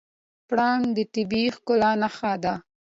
پړانګ د طبیعي ښکلا نښه ده.